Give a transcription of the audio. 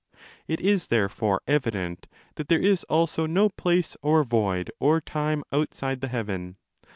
It is therefore evident that there is also no place or void or time outside the heaven.